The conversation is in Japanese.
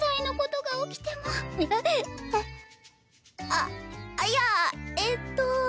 あっあっいやえっと。